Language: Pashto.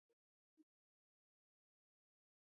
د افغانستان په منظره کې کندز سیند ښکاره ده.